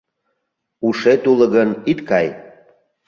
Ушет уло гын, ит кай.